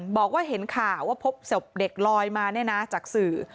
บอกว่าเห็นข่าวว่าพบศพเด็กลอยมาจากสื่อ